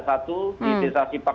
hmm di desa sipakso